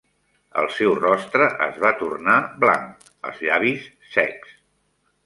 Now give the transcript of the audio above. El seu rostre es va tornar blanc, els llavis secs.